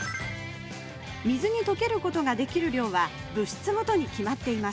水に溶けることができる量は物質ごとに決まっています。